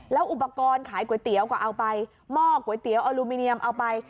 แล้วอุปกรณ์ขายก๋วยเตี๋ยวก็เอาไปหม้อก๋วยเตี๋ยวอลูมิเนียมเอาไป